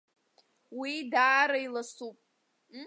Уи даара иласуп.